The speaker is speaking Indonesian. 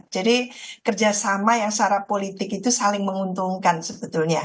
jadi kerjasama yang secara politik itu saling menguntungkan sebetulnya